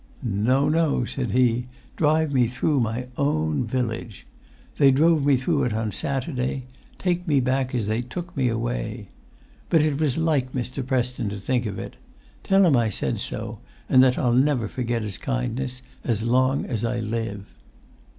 "No, no," said he; "drive me through my own village! They drove me through it on Saturday; take me back as they took me away. But it was like Mr. Preston to think of it. Tell him I said so, and that I'll never forget his kindness as long as I live!"